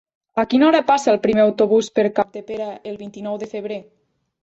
A quina hora passa el primer autobús per Capdepera el vint-i-nou de febrer?